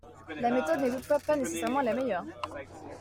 La méthode n’est toutefois pas nécessairement la meilleure.